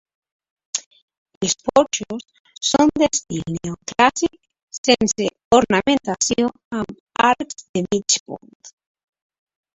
Els porxos són d'estil neoclàssic sense ornamentació amb arcs de mig punt.